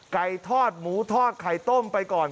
ไก่ทอดหมูทอดไข่ต้มไปก่อน